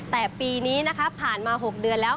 แต่ปีนี้นะคะผ่านมา๖เดือนแล้ว